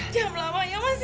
jangan melamanya mas ya